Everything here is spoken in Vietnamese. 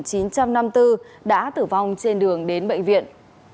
tuy nhiên một nạn nhân nữ sinh năm một nghìn chín trăm năm mươi bốn đã tử vong trên đường đến bệnh viện